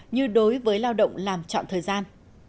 như đối với lao động làm chọn thời gian